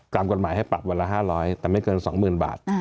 กฎหมายให้ปรับวันละ๕๐๐แต่ไม่เกิน๒๐๐๐บาท